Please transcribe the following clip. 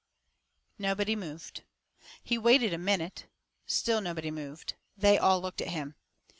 Nobody moved. He waited a minute. Still nobody moved. They all looked at him.